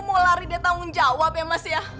mau lari dia tanggung jawab ya mas ya